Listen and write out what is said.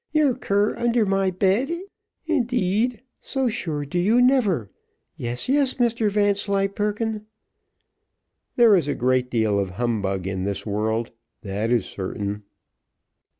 Your cur under my bed, indeed, so sure do you never . Yes, yes, Mr Vanslyperken." There is a great deal of humbug in this world, that is certain.